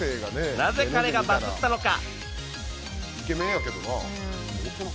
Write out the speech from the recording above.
なぜ彼がバズったのか？